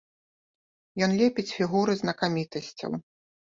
Ён лепіць фігуры знакамітасцяў.